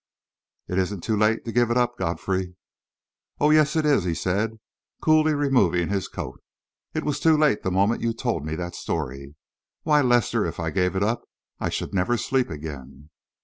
"It isn't too late to give it up, Godfrey." "Oh, yes, it is," he said, coolly, removing his coat "It was too late the moment you told me that story. Why, Lester, if I gave it up, I should never sleep again!"